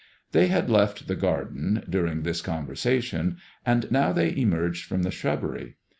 They had left the garden during this conversationy and now they emerged from the shrubbery.